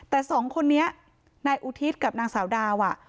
แต่สองคนนี้นายอุทิศกับนางสาวดาว